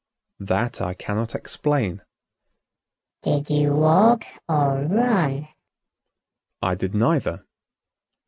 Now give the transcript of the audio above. "That I cannot explain." "Did you walk or run?" "I did neither."